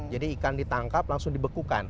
jadi ikan ditangkap langsung dibekukan